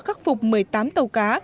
khắc phục một mươi tám tàu cá